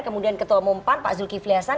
kemudian ketua umum pan pak zulkifli hasan